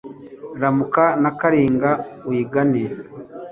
Ramuka na Karinga uyigane,